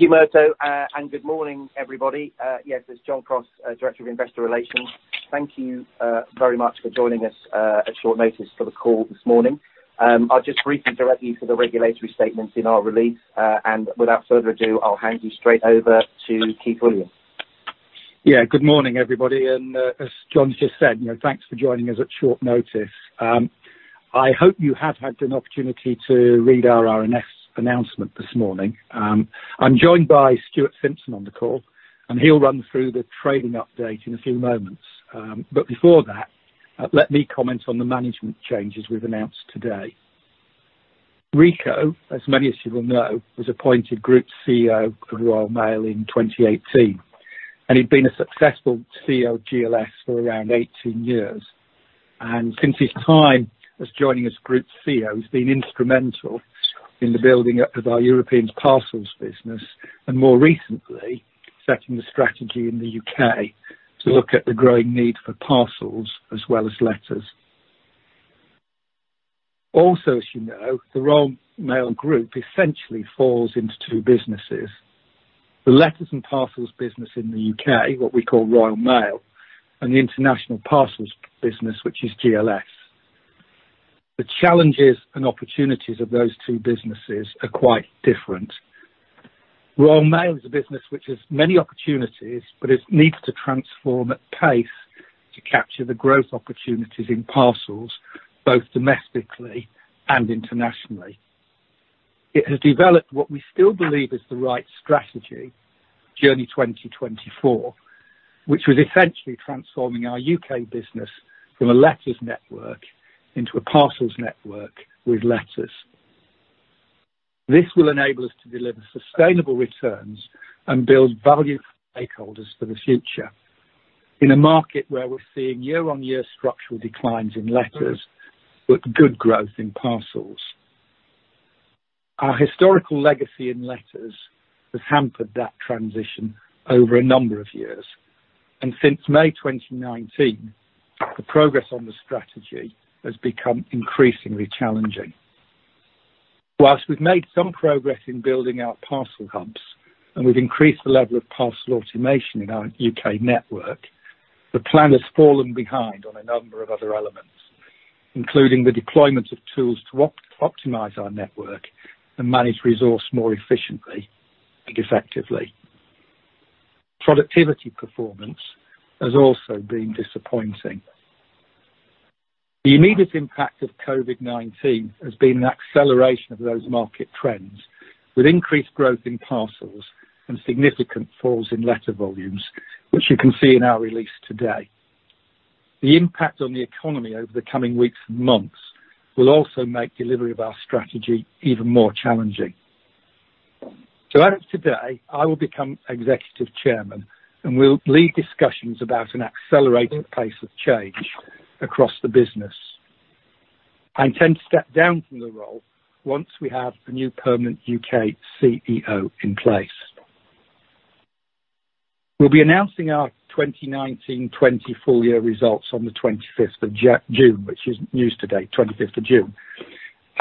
Thank you, Myrto, and good morning, everybody. Yes, it's John Crosse, Director of Investor Relations. Thank you very much for joining us at short notice for the call this morning. I'll just briefly direct you to the regulatory statements in our release. Without further ado, I'll hand you straight over to Keith Williams. Yeah. Good morning, everybody. As John's just said, thanks for joining us at short notice. I hope you have had an opportunity to read our RNS announcement this morning. I'm joined by Stuart Simpson on the call, and he'll run through the trading update in a few moments. Before that, let me comment on the management changes we've announced today. Rico, as many of you will know, was appointed Group CEO of the Royal Mail in 2018, and he'd been a successful CEO of GLS for around 18 years. Since his time as joining as Group CEO, he's been instrumental in the building up of our European parcels business and more recently, setting the strategy in the U.K. to look at the growing need for parcels as well as letters. Also, as you know, the Royal Mail group essentially falls into two businesses, the letters and parcels business in the U.K., what we call Royal Mail, and the international parcels business, which is GLS. The challenges and opportunities of those two businesses are quite different. Royal Mail is a business which has many opportunities, but it needs to transform at pace to capture the growth opportunities in parcels, both domestically and internationally. It has developed what we still believe is the right strategy, Journey 2024, which was essentially transforming our U.K. business from a letters network into a parcels network with letters. This will enable us to deliver sustainable returns and build value for stakeholders for the future in a market where we're seeing year-on-year structural declines in letters, but good growth in parcels. Our historical legacy in letters has hampered that transition over a number of years. Since May 2019, the progress on the strategy has become increasingly challenging. While we've made some progress in building our parcel hubs and we've increased the level of parcel automation in our U.K. network, the plan has fallen behind on a number of other elements, including the deployment of tools to optimize our network and manage resource more efficiently and effectively. Productivity performance has also been disappointing. The immediate impact of COVID-19 has been an acceleration of those market trends with increased growth in parcels and significant falls in letter volumes, which you can see in our release today. The impact on the economy over the coming weeks and months will also make delivery of our strategy even more challenging. As of today, I will become Executive Chairman and will lead discussions about an accelerated pace of change across the business. I intend to step down from the role once we have a new permanent U.K. CEO in place. We'll be announcing our 2019/20 full-year results on the 25th of June, which is news today, 25th of June.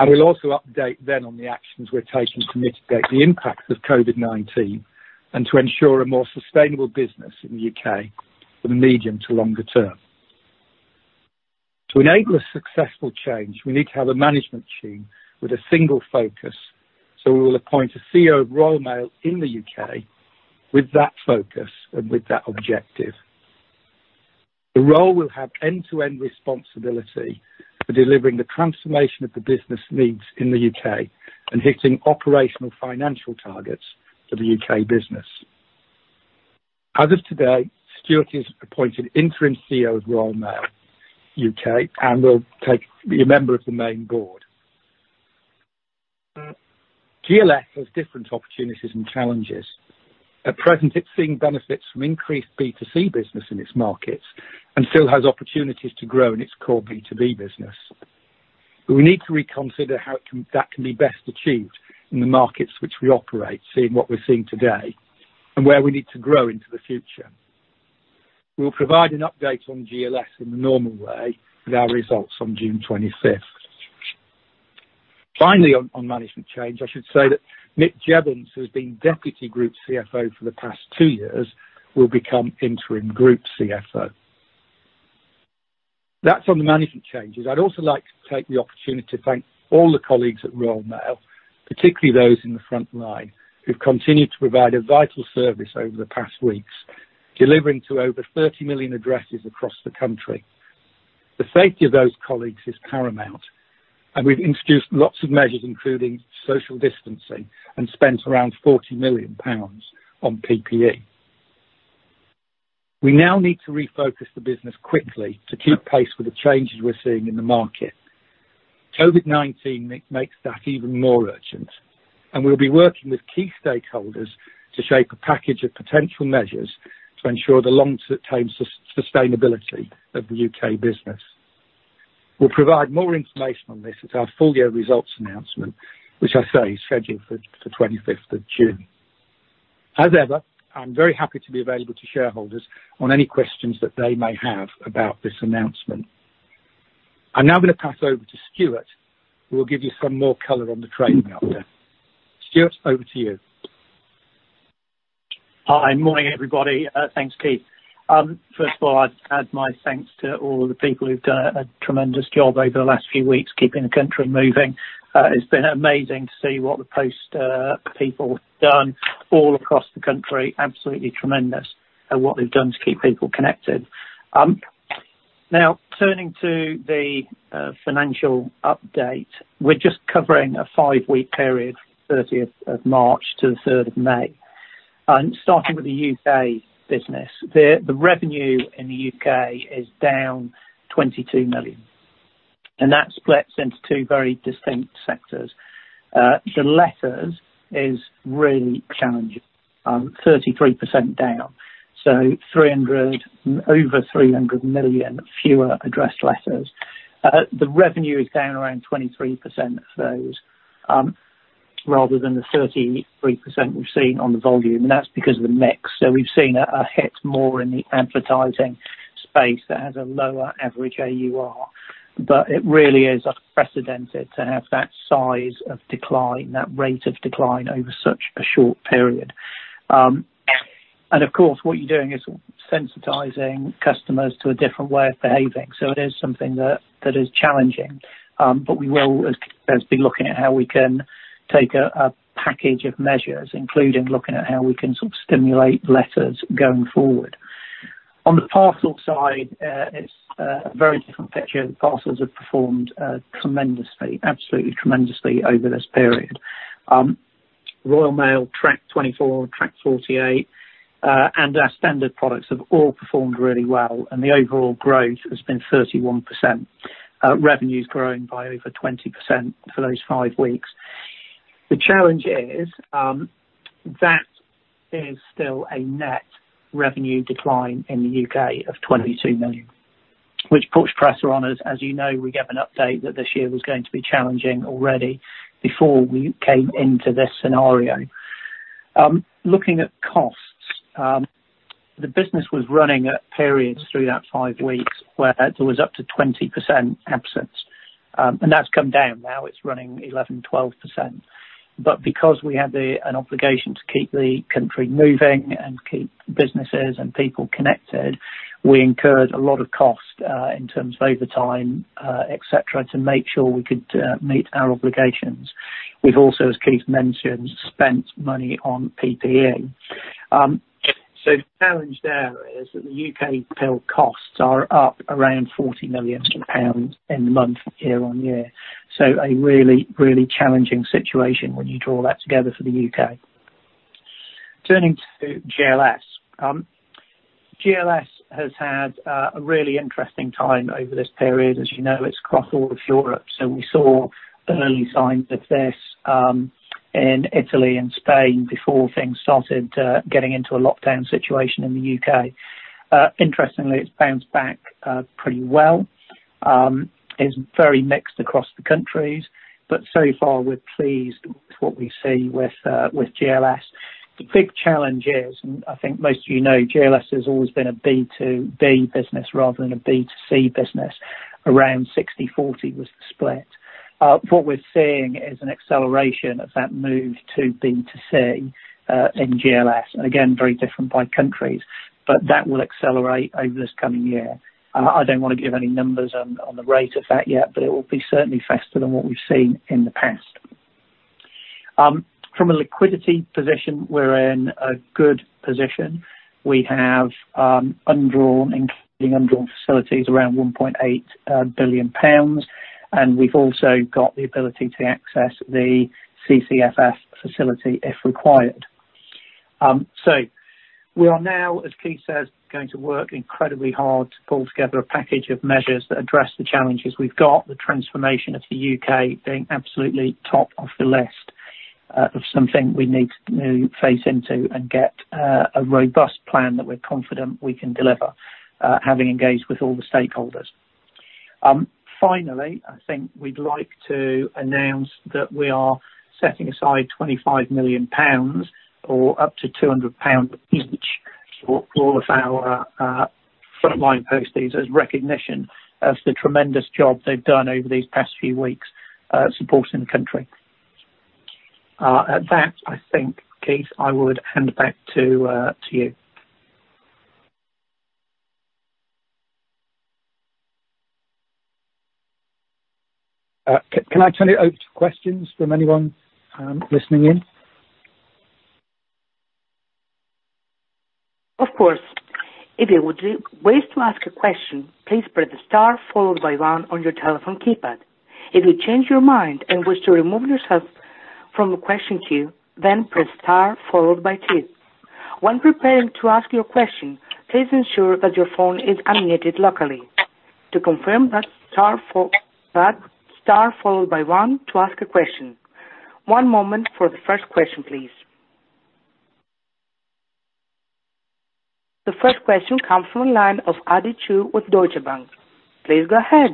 We'll also update then on the actions we're taking to mitigate the impacts of COVID-19 and to ensure a more sustainable business in the U.K. for the medium to longer term. To enable a successful change, we need to have a management team with a single focus. We will appoint a CEO of Royal Mail in the U.K. with that focus and with that objective. The role will have end-to-end responsibility for delivering the transformation that the business needs in the U.K. and hitting operational financial targets for the U.K. business. As of today, Stuart is appointed Interim CEO of Royal Mail UK and will be a member of the main board. GLS has different opportunities and challenges. At present, it's seeing benefits from increased B2C business in its markets and still has opportunities to grow in its core B2B business. We need to reconsider how that can be best achieved in the markets which we operate, seeing what we're seeing today, and where we need to grow into the future. We will provide an update on GLS in the normal way with our results on June 25th. Finally, on management change, I should say that Mick Jeavons, who has been Deputy Group CFO for the past two years, will become Interim Group CFO. That's on the management changes. I'd also like to take the opportunity to thank all the colleagues at Royal Mail, particularly those in the front line, who've continued to provide a vital service over the past weeks, delivering to over 30 million addresses across the country. The safety of those colleagues is paramount, and we've introduced lots of measures, including social distancing, and spent around 40 million pounds on PPE. We now need to refocus the business quickly to keep pace with the changes we're seeing in the market. COVID-19 makes that even more urgent, and we'll be working with key stakeholders to shape a package of potential measures to ensure the long-term sustainability of the U.K. business. We'll provide more information on this at our full-year results announcement, which I say is scheduled for the 25th of June. As ever, I'm very happy to be available to shareholders on any questions that they may have about this announcement. I'm now going to pass over to Stuart, who will give you some more color on the trading update. Stuart, over to you. Hi, morning everybody. Thanks, Keith. First of all, I'd add my thanks to all the people who've done a tremendous job over the last few weeks keeping the country moving. It's been amazing to see what the post people have done all across the country. Absolutely tremendous at what they've done to keep people connected. Turning to the financial update. We're just covering a five-week period, 30th of March to the 3rd of May, and starting with the U.K. business. The revenue in the U.K. is down 22 million, and that splits into two very distinct sectors. The letters is really challenging, 33% down. Over 300 million fewer addressed letters. The revenue is down around 23% of those rather than the 33% we've seen on the volume, and that's because of the mix. We've seen a hit more in the advertising space that has a lower average AUR, but it really is unprecedented to have that size of decline, that rate of decline over such a short period. Of course, what you're doing is sensitizing customers to a different way of behaving. It is something that is challenging. We will, as Keith says, be looking at how we can take a package of measures, including looking at how we can sort of stimulate letters going forward. On the parcel side, it's a very different picture. The parcels have performed tremendously, absolutely tremendously over this period. Royal Mail Tracked 24, Tracked 48, and our standard products have all performed really well, and the overall growth has been 31%. Revenue's growing by over 20% for those five weeks. The challenge is that is still a net revenue decline in the U.K. of 22 million, which puts pressure on us. As you know, we gave an update that this year was going to be challenging already before we came into this scenario. Looking at costs, the business was running at periods through that five weeks where there was up to 20% absence, and that's come down. Now it's running 11%, 12%. Because we had an obligation to keep the country moving and keep businesses and people connected, we incurred a lot of cost in terms of overtime, et cetera, to make sure we could meet our obligations. We've also, as Keith mentioned, spent money on PPE. The challenge there is that the UKPIL costs are up around 40 million pounds in the month year-on-year. A really, really challenging situation when you draw that together for the U.K. Turning to GLS. GLS has had a really interesting time over this period. As you know, it's across all of Europe. We saw early signs of this in Italy and Spain before things started getting into a lockdown situation in the U.K. Interestingly, it's bounced back pretty well. It's very mixed across the countries, but so far we're pleased with what we see with GLS. The big challenge is, and I think most of you know, GLS has always been a B2B business rather than a B2C business. Around 60/40 was the split. What we're seeing is an acceleration of that move to B2C in GLS, and again, very different by countries. That will accelerate over this coming year. I don't want to give any numbers on the rate of that yet, but it will be certainly faster than what we've seen in the past. From a liquidity position, we're in a good position. We have undrawn, including undrawn facilities, around 1.8 billion pounds, and we've also got the ability to access the CCFF facility if required. We are now, as Keith says, going to work incredibly hard to pull together a package of measures that address the challenges we've got, the transformation of the U.K. being absolutely top of the list of something we need to face into and get a robust plan that we're confident we can deliver having engaged with all the stakeholders. Finally, I think we'd like to announce that we are setting aside 25 million pounds or up to 200 pound each for all of our frontline posties as recognition of the tremendous job they've done over these past few weeks supporting the country. At that, I think, Keith, I would hand back to you. Can I turn it over to questions from anyone listening in? Of course. If you would wish to ask a question, please press star followed by one on your telephone keypad. If you change your mind and wish to remove yourself from the question queue, press star followed by two. When preparing to ask your question, please ensure that your phone is unmuted locally. To confirm, press star followed by one to ask a question. One moment for the first question, please. The first question comes from the line of Andy Chu with Deutsche Bank. Please go ahead.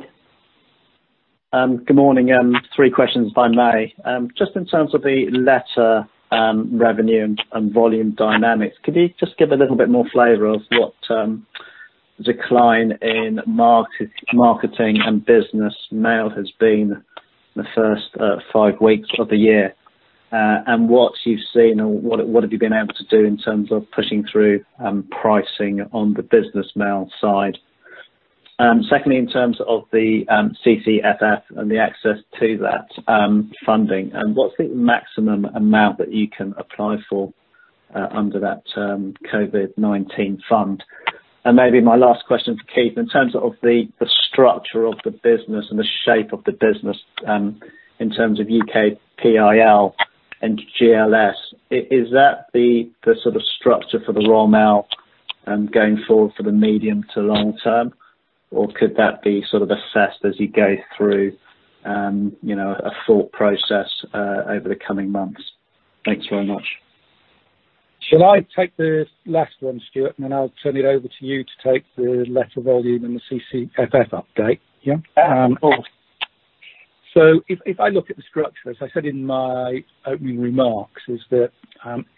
Good morning. Three questions if I may. Just in terms of the letter revenue and volume dynamics, could you just give a little bit more flavor of what decline in marketing and business mail has been in the first five weeks of the year? What you've seen or what have you been able to do in terms of pushing through pricing on the business mail side? Secondly, in terms of the CCFF and the access to that funding, what's the maximum amount that you can apply for under that COVID-19 fund? Maybe my last question for Keith, in terms of the structure of the business and the shape of the business in terms of UKPIL and GLS, is that the sort of structure for the Royal Mail going forward for the medium to long term? Could that be sort of assessed as you go through a thought process over the coming months? Thanks very much. Shall I take the last one, Stuart, and then I'll turn it over to you to take the letter volume and the CCFF update? Yeah. Of course. If I look at the structure, as I said in my opening remarks, is that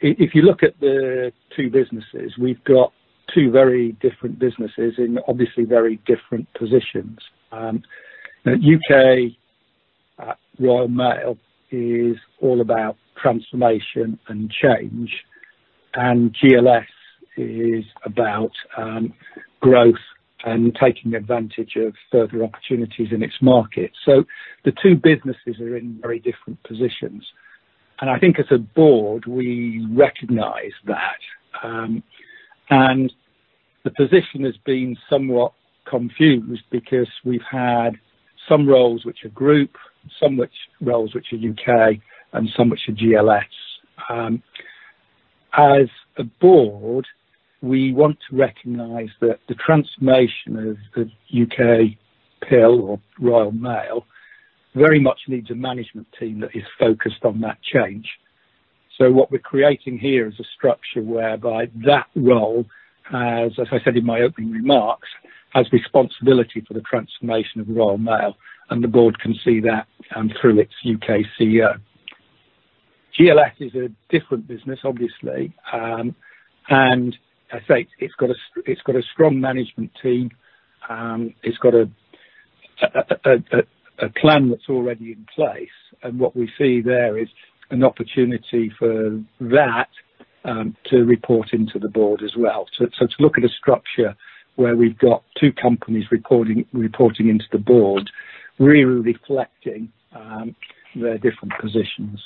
if you look at the two businesses, we've got two very different businesses in obviously very different positions. U.K. Royal Mail is all about transformation and change, and GLS is about growth and taking advantage of further opportunities in its market. The two businesses are in very different positions. I think as a board, we recognize that. The position has been somewhat confused because we've had some roles which are group, some roles which are U.K., and some which are GLS. As a board, we want to recognize that the transformation of the UKPIL or Royal Mail very much needs a management team that is focused on that change. What we're creating here is a structure whereby that role has, as I said in my opening remarks, has responsibility for the transformation of Royal Mail, and the board can see that through its U.K. CEO. GLS is a different business, obviously. As I say, it's got a strong management team. It's got a plan that's already in place, and what we see there is an opportunity for that to report into the board as well. To look at a structure where we've got two companies reporting into the board, really reflecting their different positions.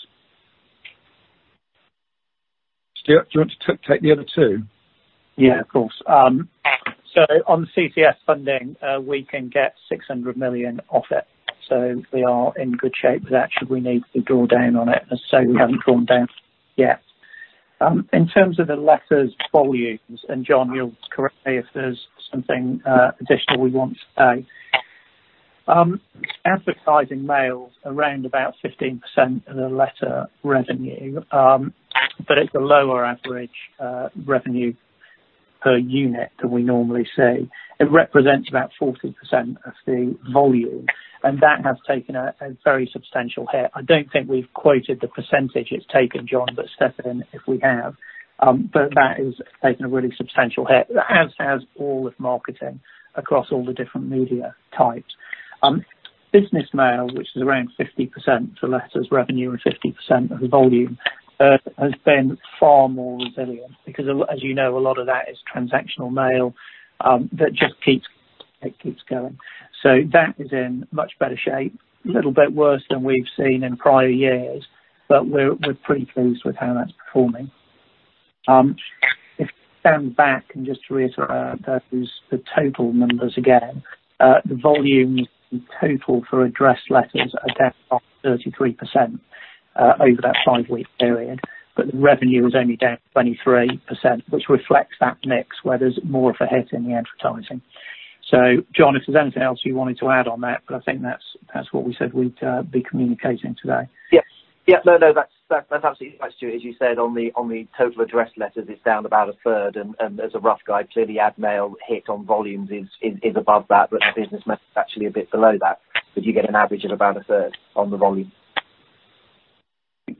Stuart, do you want to take the other two? Yeah, of course. On the CCFF funding, we can get 600 million off it. We are in good shape with that should we need to draw down on it, as to say we haven't drawn down yet. In terms of the letters volumes, John, you'll correct me if there's something additional we want to say. Advertising mail is around about 15% of the letter revenue, but it's a lower average revenue per unit than we normally see. It represents about 40% of the volume, that has taken a very substantial hit. I don't think we've quoted the percentage it's taken, John, but step in if we have. That has taken a really substantial hit. As has all of marketing across all the different media types. Business mail, which is around 50% to letters revenue and 50% of the volume, has been far more resilient because as you know, a lot of that is transactional mail that just keeps going. That is in much better shape. A little bit worse than we've seen in prior years, but we're pretty pleased with how that's performing. If I stand back and just reiterate those, the total numbers again, the volume in total for addressed letters are down about 33% over that five-week period. The revenue is only down 23%, which reflects that mix where there's more of a hit in the advertising. John, if there's anything else you wanted to add on that, but I think that's what we said we'd be communicating today. Yes. No, that's absolutely right, Stuart. As you said, on the total addressed letters, it's down about a third. As a rough guide, clearly, ad mail hit on volumes is above that, but the business mail is actually a bit below that. You get an average of about a third on the volume.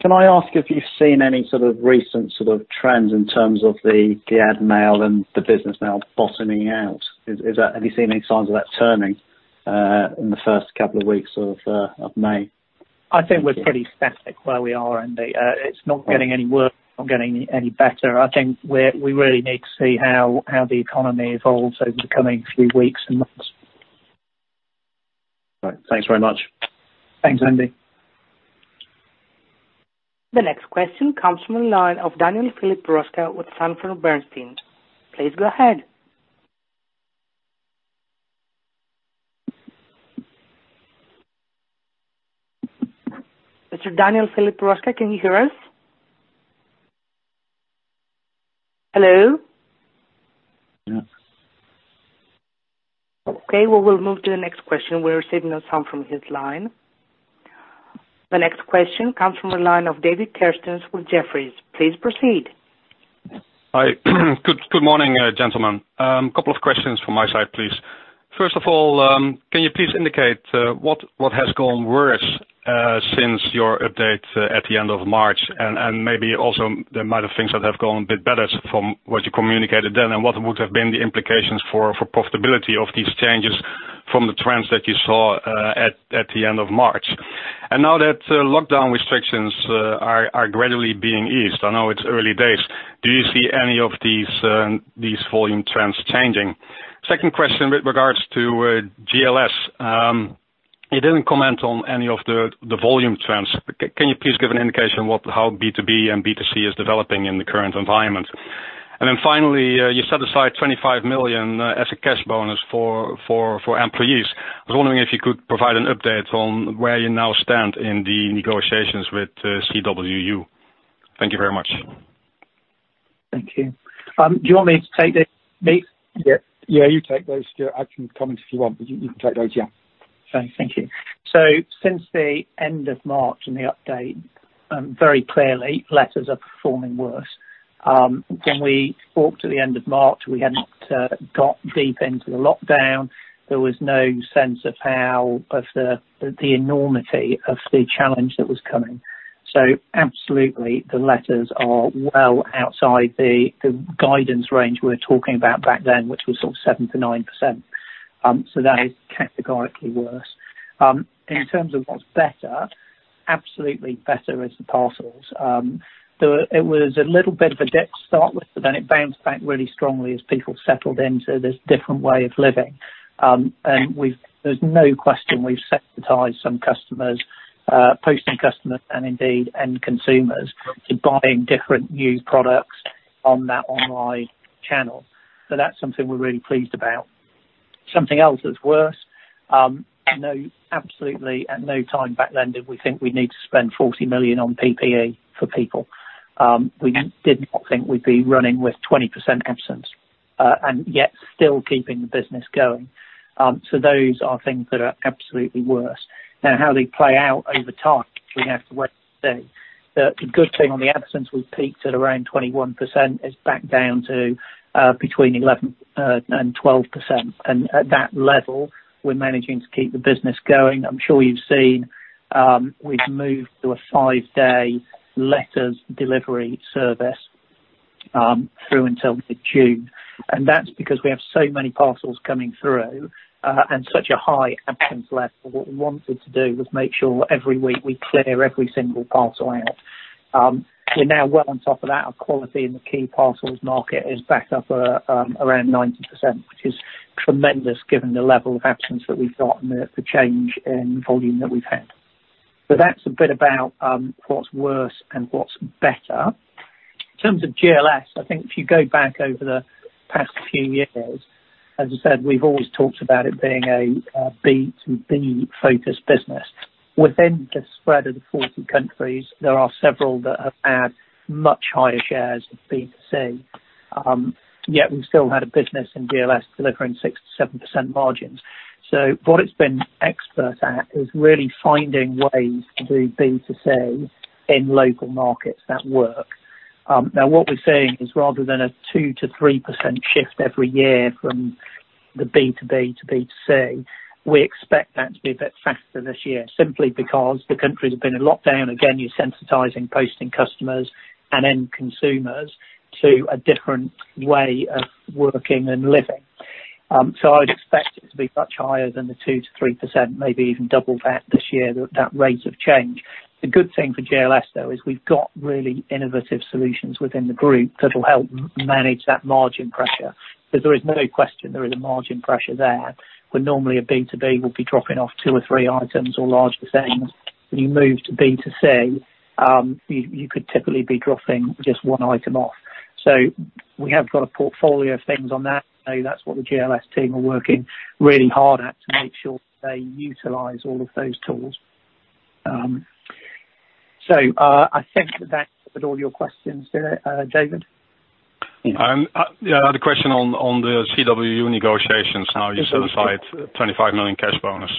Can I ask if you've seen any sort of recent trends in terms of the ad mail and the business mail bottoming out? Have you seen any signs of that turning in the first couple of weeks of May? I think we're pretty static where we are, Andy. It's not getting any worse, not getting any better. I think we really need to see how the economy evolves over the coming few weeks and months. Right. Thanks very much. Thanks, Andy. The next question comes from the line of Daniel Roeska with Sanford Bernstein. Please go ahead. Mr. Daniel Roeska, can you hear us? Hello? No. Okay, well, we'll move to the next question. We're receiving no sound from his line. The next question comes from the line of David Kerstens with Jefferies. Please proceed. Hi. Good morning, gentlemen. Couple of questions from my side, please. Can you please indicate what has gone worse since your update at the end of March? Maybe also there might have things that have gone a bit better from what you communicated then, what would have been the implications for profitability of these changes from the trends that you saw at the end of March. Now that lockdown restrictions are gradually being eased, I know it's early days, do you see any of these volume trends changing? Second question with regards to GLS. You didn't comment on any of the volume trends. Can you please give an indication how B2B and B2C is developing in the current environment? Finally, you set aside 25 million as a cash bonus for employees. I was wondering if you could provide an update on where you now stand in the negotiations with CWU. Thank you very much. Thank you. Do you want me to take this, me? Yeah, you take those Stuart. I can comment if you want, but you can take those, yeah. Okay. Thank you. Since the end of March and the update, very clearly, letters are performing worse. When we talked at the end of March, we had not got deep into the lockdown. There was no sense of the enormity of the challenge that was coming. Absolutely the letters are well outside the guidance range we were talking about back then, which was sort of 7%-9%. That is categorically worse. In terms of what's better, absolutely better is the parcels. It was a little bit of a dip to start with, but then it bounced back really strongly as people settled into this different way of living. There's no question we've sensitized some customers, posting customers and indeed end consumers to buying different new products on that online channel. That's something we're really pleased about. Something else that's worse, absolutely at no time back then did we think we'd need to spend 40 million on PPE for people. We did not think we'd be running with 20% absence, and yet still keeping the business going. Those are things that are absolutely worse. Now how they play out over time, we have to wait to see. The good thing on the absence we peaked at around 21% is back down to between 11% and 12%. At that level, we're managing to keep the business going. I'm sure you've seen, we've moved to a five-day letters delivery service through until June. That's because we have so many parcels coming through, and such a high absence level. What we wanted to do was make sure every week we clear every single parcel out. We're now well on top of that. Our quality in the key parcels market is back up around 90%, which is tremendous given the level of absence that we've got and the change in volume that we've had. That's a bit about what's worse and what's better. In terms of GLS, I think if you go back over the past few years, as I said, we've always talked about it being a B2B-focused business. Within the spread of the 40 countries, there are several that have had much higher shares of B2C, yet we've still had a business in GLS delivering 6%-7% margins. What it's been expert at is really finding ways to do B2C in local markets that work. What we're seeing is rather than a 2%-3% shift every year from the B2B to B2C, we expect that to be a bit faster this year simply because the countries have been in lockdown. You're sensitizing posting customers and end consumers to a different way of working and living. I'd expect it to be much higher than the 2%-3%, maybe even double that this year, that rate of change. The good thing for GLS though is we've got really innovative solutions within the group that will help manage that margin pressure, because there is no question there is a margin pressure there. Where normally a B2B will be dropping off two or three items or larger things, when you move to B2C, you could typically be dropping just one item off. We have got a portfolio of things on that. That's what the GLS team are working really hard at to make sure they utilize all of those tools. I think that that covered all your questions there, David? Yeah. The question on the CWU negotiations, how you set aside 25 million cash bonus.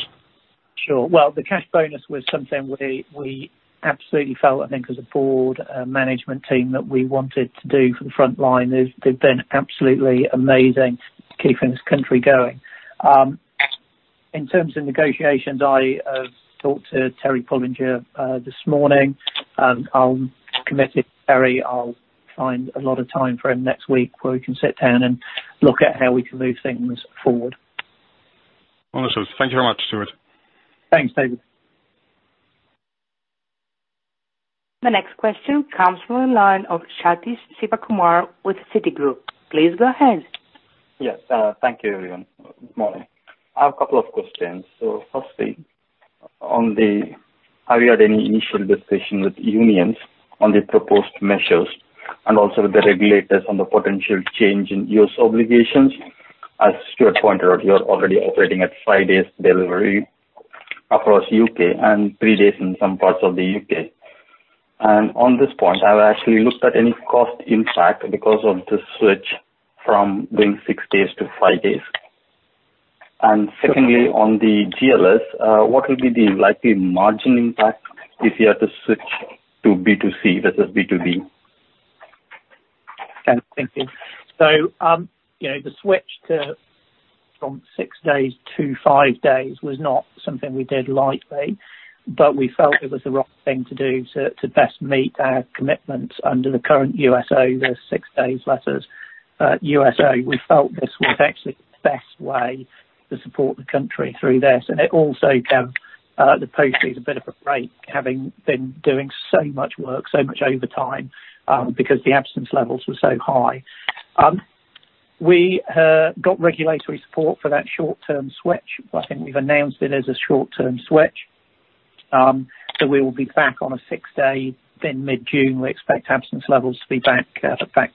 Sure. Well, the cash bonus was something we absolutely felt, I think as a board management team, that we wanted to do for the front line. They've been absolutely amazing keeping this country going. In terms of negotiations, I have talked to Terry Pullinger this morning. I'm committed to Terry. I'll find a lot of time for him next week where we can sit down and look at how we can move things forward. Wonderful. Thank you very much, Stuart. Thanks, David. The next question comes from the line of Sathish Sivakumar with Citigroup. Please go ahead. Yes. Thank you, everyone. Good morning. I have a couple of questions. Firstly, have you had any initial discussion with unions on the proposed measures and also with the regulators on the potential change in USO obligations? As Stuart pointed out, you are already operating at five days delivery across U.K. and three days in some parts of the U.K. On this point, have you actually looked at any cost impact because of the switch from doing six days to five days? Secondly, on the GLS, what will be the likely margin impact if you have to switch to B2C versus B2B? Thank you. The switch from six days to five days was not something we did lightly, but we felt it was the right thing to do to best meet our commitments under the current USO, the six days letters. At USO, we felt this was actually the best way to support the country through this. It also gave the posties a bit of a break, having been doing so much work, so much overtime, because the absence levels were so high. We got regulatory support for that short-term switch. I think we've announced it as a short-term switch. We will be back on a six-day. Mid-June, we expect absence levels to be back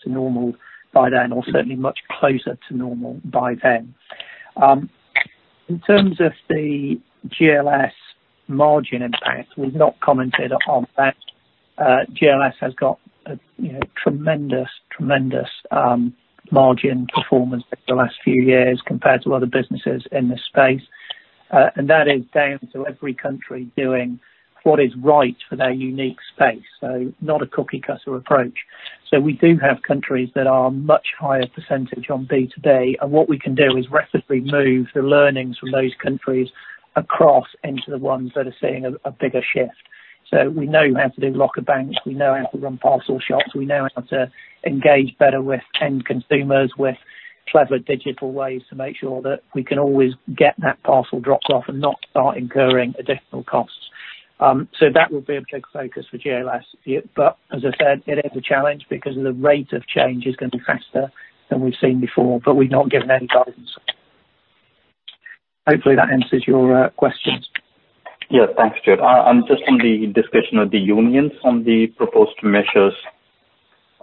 to normal by then, or certainly much closer to normal by then. In terms of the GLS margin impact, we've not commented on that. GLS has got a tremendous margin performance over the last few years compared to other businesses in this space. That is down to every country doing what is right for their unique space, so not a cookie-cutter approach. We do have countries that are much higher percentage on B2B, and what we can do is rapidly move the learnings from those countries across into the ones that are seeing a bigger shift. We know how to do locker banks, we know how to run parcel shops, we know how to engage better with end consumers with clever digital ways to make sure that we can always get that parcel dropped off and not start incurring additional costs. That will be a big focus for GLS. As I said, it is a challenge because the rate of change is going to be faster than we've seen before. We've not given any guidance. Hopefully that answers your questions. Yeah, thanks, Stuart. Just on the discussion with the unions on the proposed measures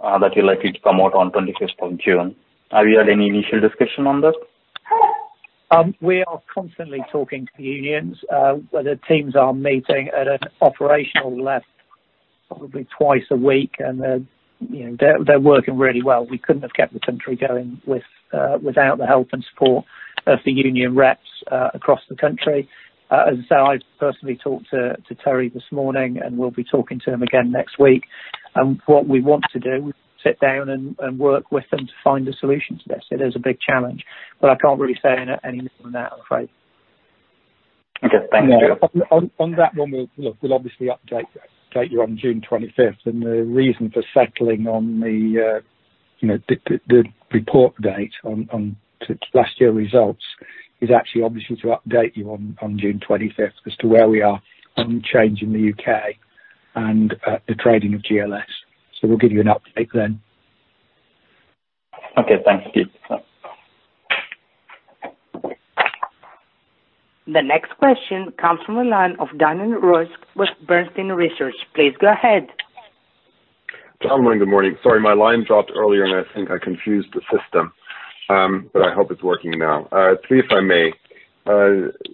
that you're likely to promote on 25th of June. Have you had any initial discussion on that? We are constantly talking to the unions. The teams are meeting at an operational level probably twice a week, and they're working really well. We couldn't have kept the country going without the help and support of the union reps across the country. As I said, I personally talked to Terry this morning, and we'll be talking to him again next week. What we want to do is sit down and work with them to find a solution to this. It is a big challenge, but I can't really say any more than that, I'm afraid. Okay. Thank you. On that one, we'll obviously update you on June 25th. The reason for settling on the report date on last year's results is actually obviously to update you on June 25th as to where we are on change in the U.K. and the trading of GLS. We'll give you an update then. Okay. Thank you. The next question comes from the line of Daniel Roeska with Bernstein Research. Please go ahead. John, morning. Good morning. Sorry, my line dropped earlier and I think I confused the system, but I hope it's working now. Three, if I may.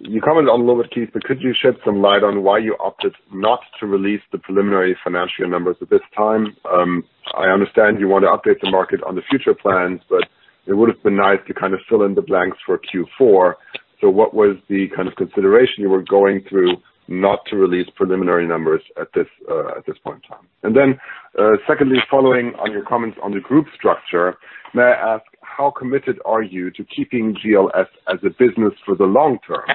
You commented on a little bit, Keith, but could you shed some light on why you opted not to release the preliminary financial numbers at this time? I understand you want to update the market on the future plans, but it would have been nice to kind of fill in the blanks for Q4. What was the kind of consideration you were going through not to release preliminary numbers at this point in time? Secondly, following on your comments on the group structure, may I ask how committed are you to keeping GLS as a business for the long term?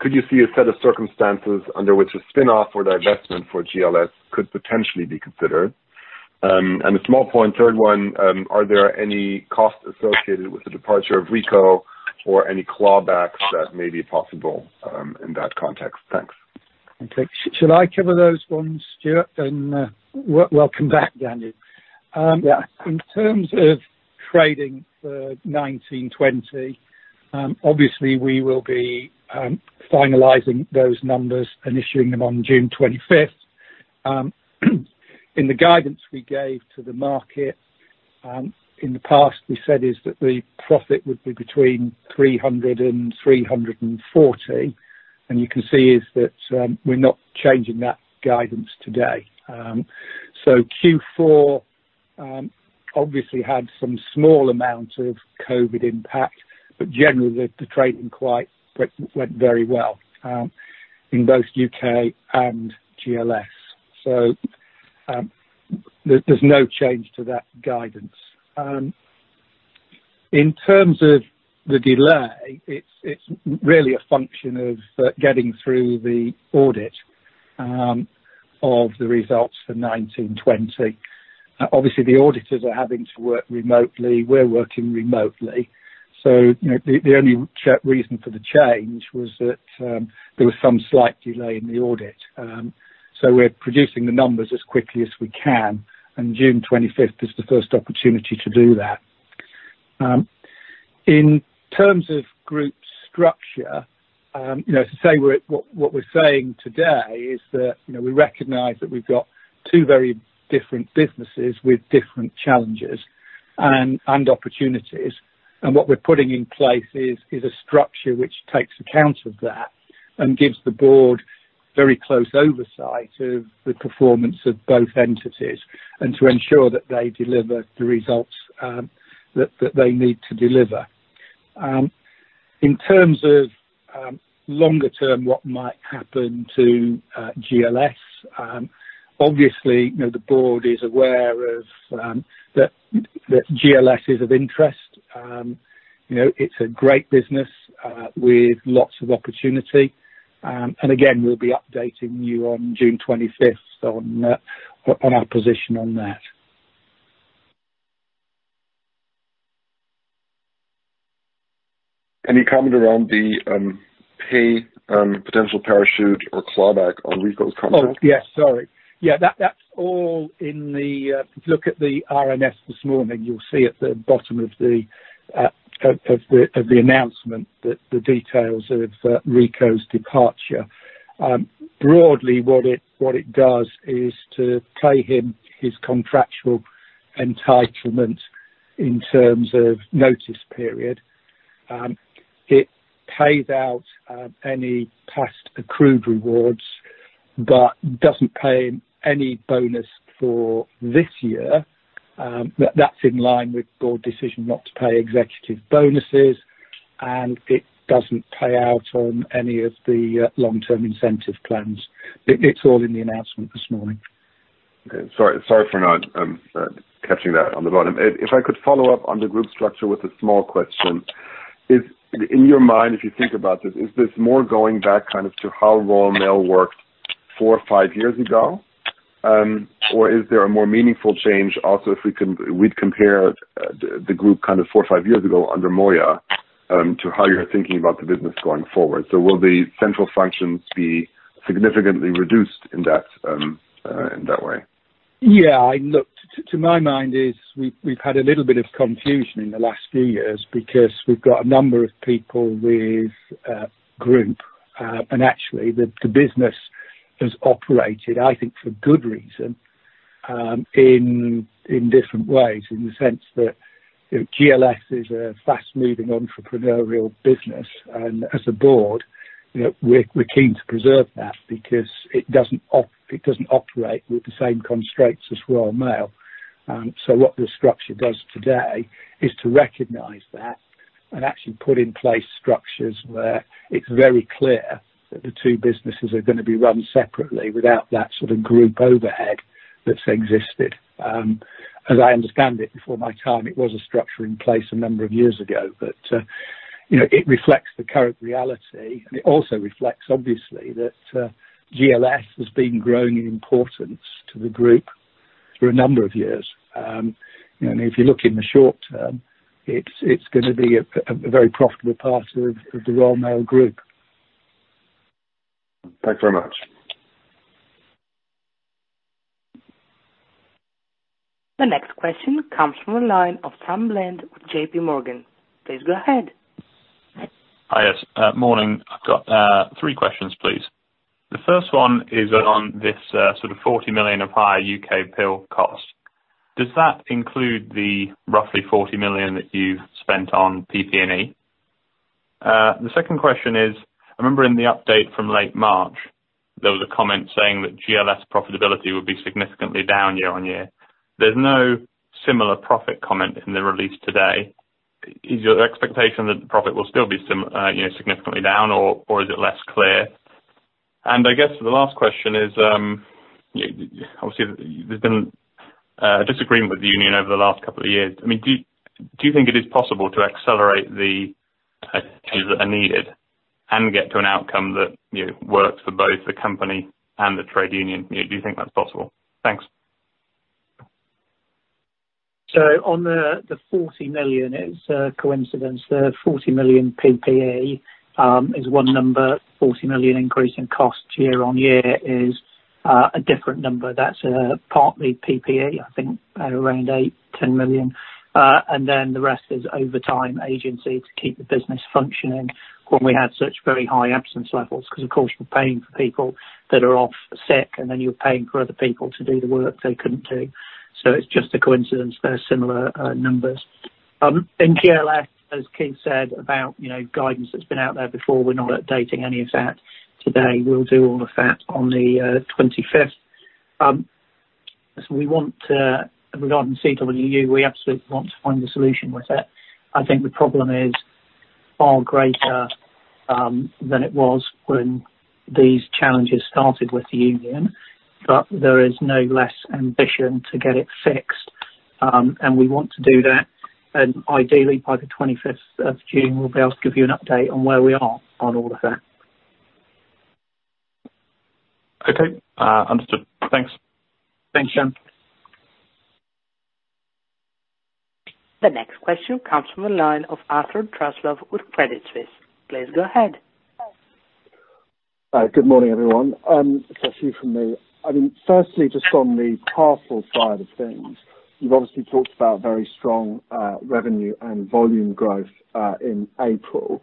Could you see a set of circumstances under which a spin-off or divestment for GLS could potentially be considered? A small point, third one, are there any costs associated with the departure of Rico or any clawbacks that may be possible in that context? Thanks. Okay. Shall I cover those ones, Stuart? Welcome back, Daniel. Yeah. In terms of trading for 2019, 2020, obviously we will be finalizing those numbers and issuing them on June 25th. In the guidance we gave to the market in the past, we said is that the profit would be between 300 and 340. You can see is that we're not changing that guidance today. Q4 obviously had some small amount of COVID impact, but generally the trading went very well in both U.K. and GLS. There's no change to that guidance. In terms of the delay, it's really a function of getting through the audit of the results for 2019/2020. Obviously, the auditors are having to work remotely. We're working remotely. The only reason for the change was that there was some slight delay in the audit. We're producing the numbers as quickly as we can, and June 25th is the first opportunity to do that. In terms of group structure, what we're saying today is that we recognize that we've got two very different businesses with different challenges and opportunities. What we're putting in place is a structure which takes account of that and gives the board very close oversight of the performance of both entities and to ensure that they deliver the results that they need to deliver. In terms of longer term, what might happen to GLS, obviously, the board is aware that GLS is of interest. It's a great business with lots of opportunity. Again, we'll be updating you on June 25th on our position on that. Any comment around the pay potential parachute or clawback on Rico's contract? Yes. Sorry. That's all in the If you look at the RNS this morning, you'll see at the bottom of the announcement, the details of Rico's departure. Broadly, what it does is to pay him his contractual entitlement in terms of notice period. It pays out any past accrued rewards but doesn't pay any bonus for this year. That's in line with Board decision not to pay executive bonuses, and it doesn't pay out on any of the long-term incentive plans. It's all in the announcement this morning. Okay. Sorry for not catching that on the bottom. If I could follow up on the group structure with a small question. In your mind, if you think about this, is this more going back to how Royal Mail worked four or five years ago? Is there a more meaningful change also if we'd compare the group four or five years ago under Moya to how you're thinking about the business going forward. Will the central functions be significantly reduced in that way? Yeah. Look, to my mind, is we've had a little bit of confusion in the last few years because we've got a number of people with group. Actually, the business has operated, I think, for good reason, in different ways, in the sense that GLS is a fast-moving entrepreneurial business. As a board, we're keen to preserve that because it doesn't operate with the same constraints as Royal Mail. What this structure does today is to recognize that and actually put in place structures where it's very clear that the two businesses are going to be run separately without that group overhead that's existed. As I understand it, before my time, it was a structure in place a number of years ago, but it reflects the current reality, and it also reflects, obviously, that GLS has been growing in importance to the group through a number of years. If you look in the short term, it's going to be a very profitable part of the Royal Mail group. Thanks very much. The next question comes from the line of Sam Bland with JPMorgan. Please go ahead. Hi, yes. Morning. I've got three questions, please. The first one is on this sort of 40 million of higher UKPIL cost. Does that include the roughly 40 million that you've spent on PPE? The second question is, I remember in the update from late March, there was a comment saying that GLS profitability would be significantly down year-over-year. There's no similar profit comment in the release today. Is your expectation that the profit will still be significantly down, or is it less clear? I guess the last question is, obviously, there's been a disagreement with the union over the last couple of years. Do you think it is possible to accelerate the changes that are needed and get to an outcome that works for both the company and the trade union? Do you think that's possible? Thanks. On the 40 million, it's a coincidence. The 40 million PPE is one number. 40 million increase in cost year-over-year is a different number. That's partly PPE, I think around 8 million-10 million. The rest is overtime agency to keep the business functioning when we had such very high absence levels, because, of course, you're paying for people that are off sick, and then you're paying for other people to do the work they couldn't do. It's just a coincidence they're similar numbers. In GLS, as Keith said about guidance that's been out there before, we're not updating any of that today. We'll do all of that on the 25th. Regarding CWU, we absolutely want to find a solution with it. I think the problem is far greater than it was when these challenges started with the union, there is no less ambition to get it fixed. We want to do that. Ideally, by the 25th of June, we'll be able to give you an update on where we are on all of that. Okay. Understood. Thanks. Thanks, Sam. The next question comes from the line of Arthur Truslove with Credit Suisse. Please go ahead. Good morning, everyone. It's just a few from me. Firstly, just on the parcel side of things, you've obviously talked about very strong revenue and volume growth in April.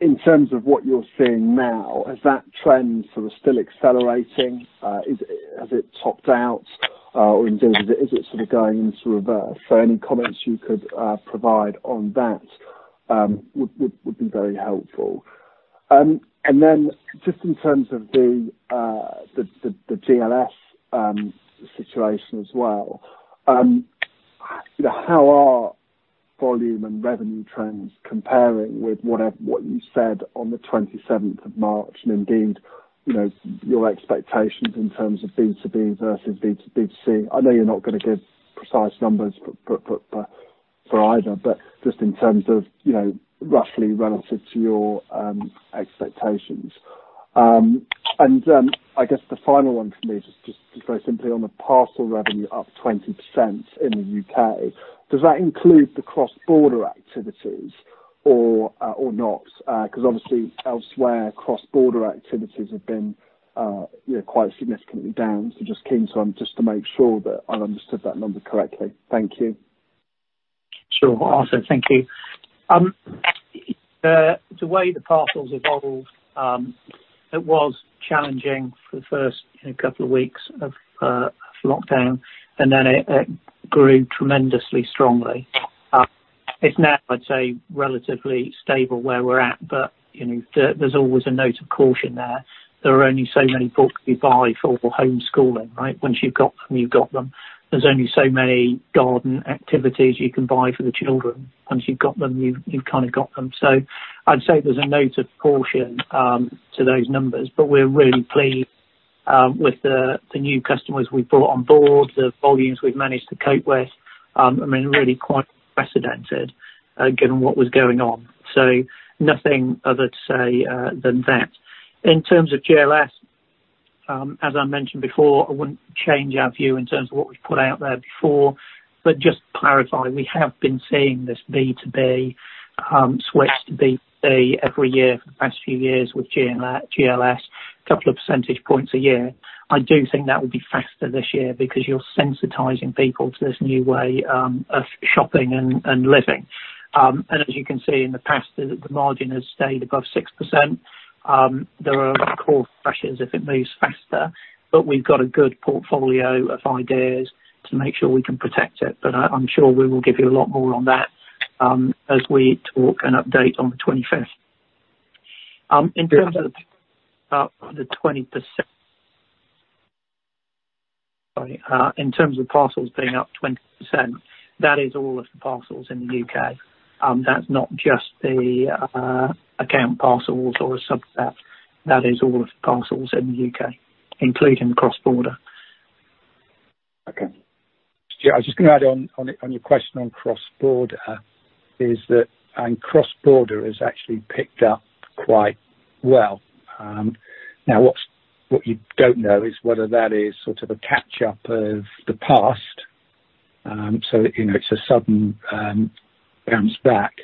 In terms of what you're seeing now, is that trend sort of still accelerating? Has it topped out? Or indeed, is it sort of going into reverse? Any comments you could provide on that would be very helpful. Just in terms of the GLS situation as well, how are volume and revenue trends comparing with what you said on the 27th of March and indeed your expectations in terms of B2B versus B2C? I know you're not going to give precise numbers for either, but just in terms of roughly relative to your expectations. I guess the final one for me is just very simply on the parcel revenue up 20% in the U.K. Does that include the cross-border activities or not? Obviously elsewhere, cross-border activities have been quite significantly down. Just keen to make sure that I understood that number correctly. Thank you. Sure. Awesome. Thank you. The way the parcels evolved, it was challenging for the first couple of weeks of lockdown, and then it grew tremendously strongly. It's now, I'd say, relatively stable where we're at, but there's always a note of caution there. There are only so many books you buy for homeschooling, right? Once you've got them, you've got them. There's only so many garden activities you can buy for the children. Once you've got them, you've kind of got them. I'd say there's a note of caution to those numbers, but we're really pleased with the new customers we brought on board, the volumes we've managed to cope with. Really quite unprecedented given what was going on. Nothing other to say than that. In terms of GLS, as I mentioned before, I wouldn't change our view in terms of what was put out there before, just to clarify, we have been seeing this B2B switch to B2C every year for the past few years with GLS, a couple of percentage points a year. I do think that will be faster this year because you're sensitizing people to this new way of shopping and living. As you can see in the past, the margin has stayed above 6%. There are core pressures if it moves faster, but we've got a good portfolio of ideas to make sure we can protect it. I'm sure we will give you a lot more on that as we talk and update on the 25th. In terms of parcels being up 20%, that is all of the parcels in the U.K. That's not just the account parcels or a subset. That is all of the parcels in the U.K., including cross-border. Okay. I was just going to add on your question on cross-border is that cross-border has actually picked up quite well. What you don't know is whether that is sort of a catch-up of the past, so it's a sudden bounce back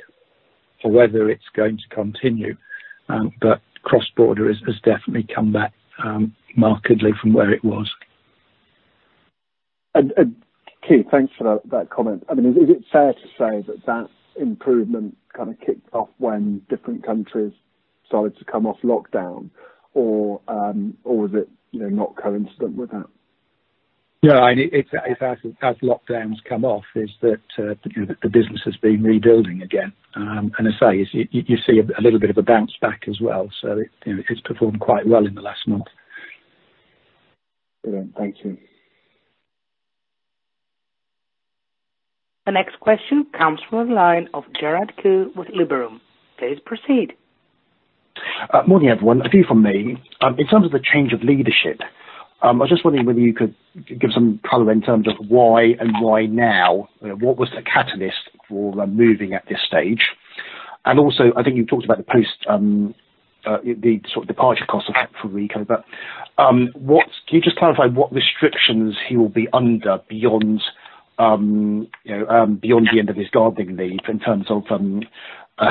for whether it's going to continue. Cross-border has definitely come back markedly from where it was. Keith, thanks for that comment. Is it fair to say that that improvement kind of kicked off when different countries started to come off lockdown or is it not coincident with that? Yeah, as lockdowns come off, is that the business has been rebuilding again. As I say, you see a little bit of a bounce back as well. It's performed quite well in the last month. Thank you. The next question comes from the line of Gerald Khoo with Liberum. Please proceed. Morning, everyone. A few from me. In terms of the change of leadership, I was just wondering whether you could give some color in terms of why and why now. What was the catalyst for moving at this stage? Also, I think you talked about the sort of departure cost of Rico, but can you just clarify what restrictions he will be under beyond the end of his gardening leave in terms of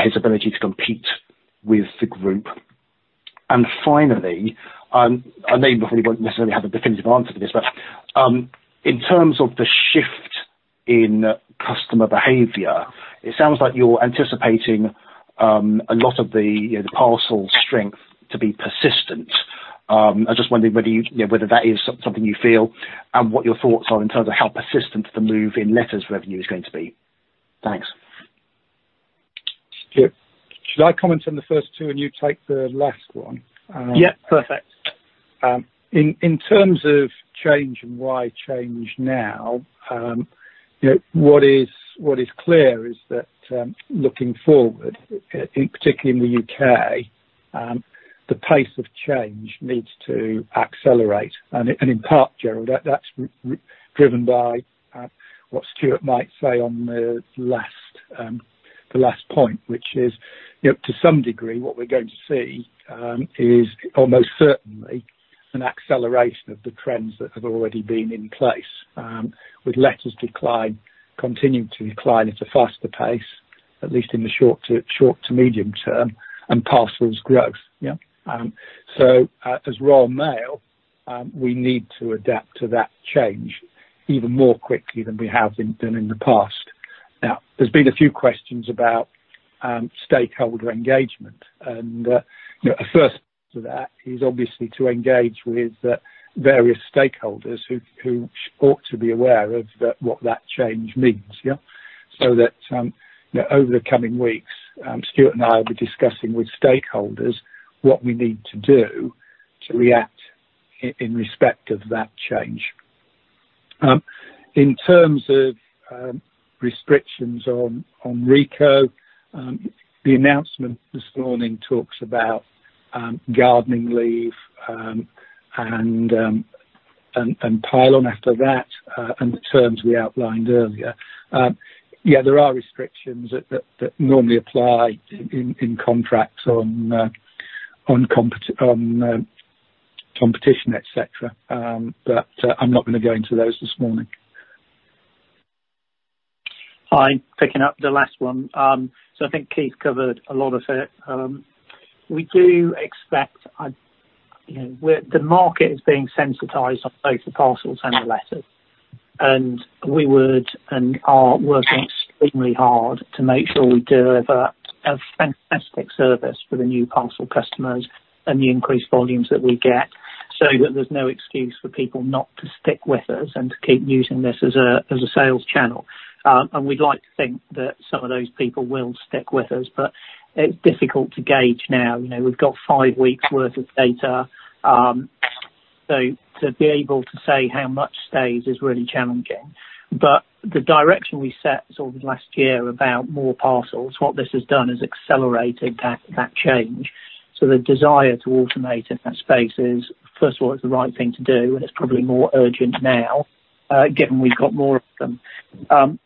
his ability to compete with the group? Finally, I know you probably won't necessarily have a definitive answer to this, but in terms of the shift in customer behavior, it sounds like you're anticipating a lot of the parcel strength to be persistent. I'm just wondering whether that is something you feel and what your thoughts are in terms of how persistent the move in letters revenue is going to be. Thanks. Stuart, should I comment on the first two and you take the last one? Yeah, perfect. In terms of change and why change now, what is clear is that looking forward, particularly in the U.K., the pace of change needs to accelerate. In part, Gerald, that's driven by what Stuart might say on the last point, which is to some degree, what we're going to see is almost certainly an acceleration of the trends that have already been in place. With letters decline continuing to decline at a faster pace, at least in the short to medium-term, and parcels growth. Yeah. As Royal Mail, we need to adapt to that change even more quickly than we have done in the past. Now, there's been a few questions about stakeholder engagement. To that is obviously to engage with various stakeholders who ought to be aware of what that change means. Over the coming weeks, Stuart and I will be discussing with stakeholders what we need to do to react in respect of that change. In terms of restrictions on Rico, the announcement this morning talks about gardening leave and PILON after that, and the terms we outlined earlier. There are restrictions that normally apply in contracts on competition, et cetera, but I'm not going to go into those this morning. Hi. Picking up the last one. I think Keith covered a lot of it. We do expect the market is being sensitized on both the parcels and the letters, and we would and are working extremely hard to make sure we deliver a fantastic service for the new parcel customers and the increased volumes that we get, so that there's no excuse for people not to stick with us and to keep using this as a sales channel. We'd like to think that some of those people will stick with us, but it's difficult to gauge now. We've got five weeks worth of data. To be able to say how much stays is really challenging. The direction we set sort of last year about more parcels, what this has done is accelerated that change. The desire to automate in that space is, first of all, it's the right thing to do, and it's probably more urgent now, given we've got more of them.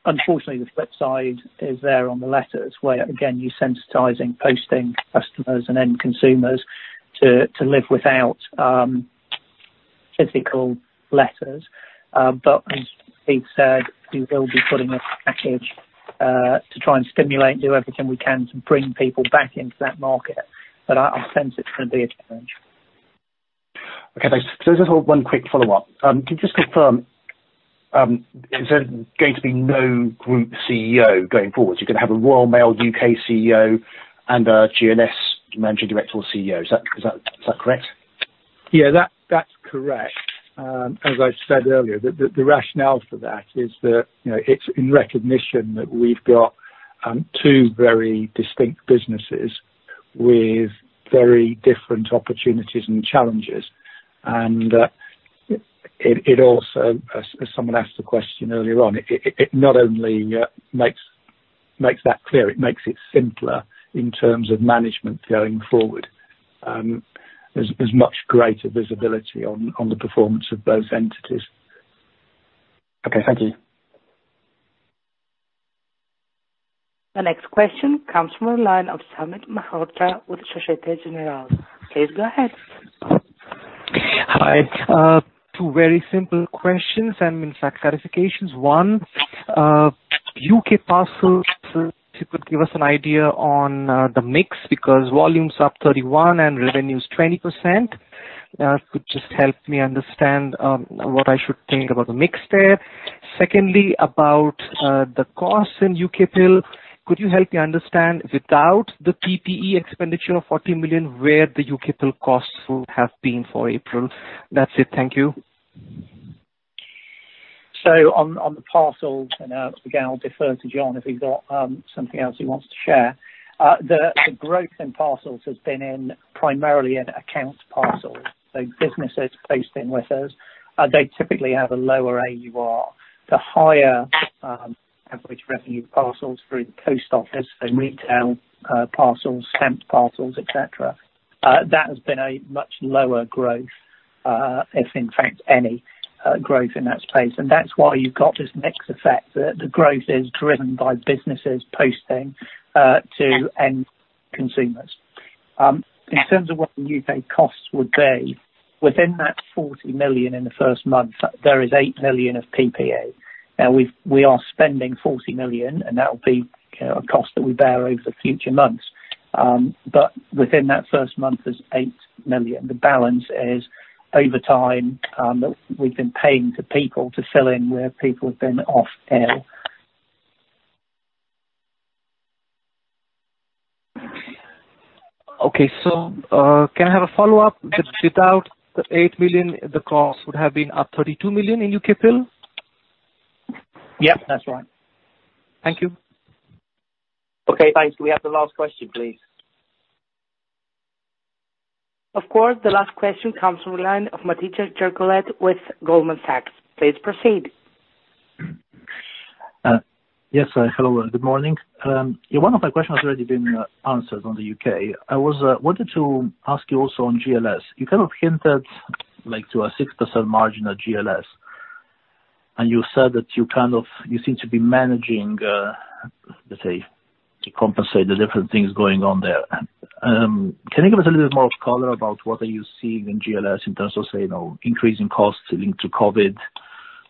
Unfortunately, the flip side is there on the letters, where again, you're sensitizing posting customers and end consumers to live without physical letters. As Keith said, we will be putting a package to try and stimulate and do everything we can to bring people back into that market. I sense it's going to be a challenge. Okay, thanks. Just one quick follow-up. Can you just confirm, is there going to be no group CEO going forward? You're going to have a Royal Mail U.K. CEO and a GLS Managing Director or CEO. Is that correct? Yeah, that's correct. As I said earlier, the rationale for that is that it's in recognition that we've got two very distinct businesses with very different opportunities and challenges. It also, as someone asked the question earlier on, it not only makes that clear, it makes it simpler in terms of management going forward. There's much greater visibility on the performance of both entities. Okay, thank you. The next question comes from the line of Sumit Malhotra with Societe Generale. Please go ahead. Hi. Two very simple questions and in fact, clarifications. One, UK Parcels, if you could give us an idea on the mix because volume's up 31 and revenue's 20%. Could you just help me understand what I should think about the mix there? Secondly, about the costs in UKPIL. Could you help me understand, without the PPE expenditure of 40 million, where the UKPIL costs would have been for April? That's it. Thank you. On the parcels, and again, I'll defer to John if he's got something else he wants to share. The growth in parcels has been primarily in accounts parcels. Businesses posting with us. They typically have a lower AUR. The higher average revenue parcels through the post office, so retail parcels, stamped parcels, et cetera, that has been a much lower growth, if in fact any growth in that space. That's why you've got this mixed effect that the growth is driven by businesses posting to end consumers. In terms of what the U.K. costs would be, within that 40 million in the first month, there is 8 million of PPA. We are spending 40 million, and that will be a cost that we bear over future months. Within that first month, there's 8 million. The balance is over time, that we've been paying to people to fill in where people have been off ill. Okay. Can I have a follow-up? Without the 8 million, the cost would have been up 32 million in UKPIL? Yep, that's right. Thank you. Okay, thanks. Can we have the last question, please? Of course. The last question comes from the line of Matias Cherniavsky with Goldman Sachs. Please proceed. Yes. Hello, good morning. One of my questions has already been answered on the U.K. I wanted to ask you also on GLS. You kind of hinted like to a 6% margin at GLS. You said that you seem to be managing, let's say, to compensate the different things going on there. Can you give us a little bit more color about what are you seeing in GLS in terms of, say, increasing costs linked to COVID?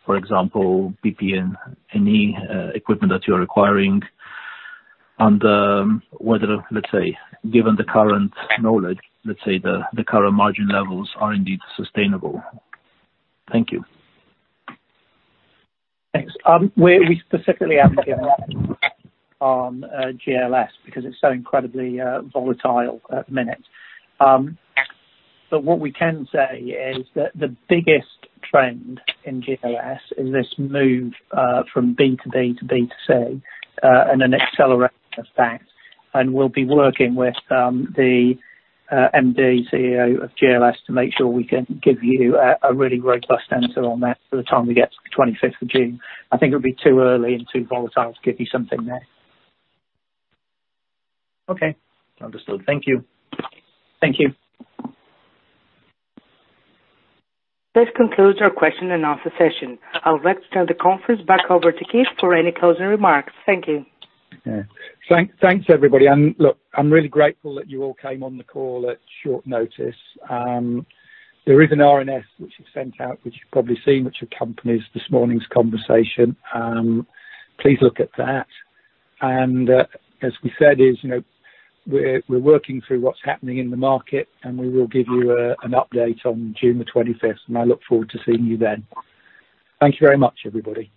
For example, PP&E that you're acquiring, and whether, let's say, given the current knowledge, let's say the current margin levels are indeed sustainable. Thank you. Thanks. We specifically haven't given that on GLS because it's so incredibly volatile at the minute. What we can say is that the biggest trend in GLS is this move from B2B to B2C and an acceleration of that. We'll be working with the MD, CEO of GLS to make sure we can give you a really robust answer on that by the time we get to the 25th of June. I think it would be too early and too volatile to give you something there. Okay. Understood. Thank you. Thank you. This concludes our question and answer session. I'll return the conference back over to Keith for any closing remarks. Thank you. Yeah. Thanks, everybody. Look, I'm really grateful that you all came on the call at short notice. There is an RNS which was sent out, which you've probably seen, which accompanies this morning's conversation. Please look at that. As we said is we're working through what's happening in the market, and we will give you an update on June the 25th, and I look forward to seeing you then. Thank you very much, everybody.